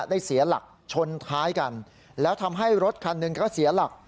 เสียหลักชนท้ายกันแล้วทำให้รถคันหนึ่งก็เสียหลัก